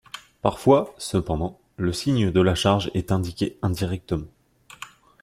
Parfois, cependant, le signe de la charge est indiqué indirectement.